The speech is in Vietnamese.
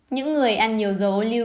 những người ăn nhiều dầu ô lưu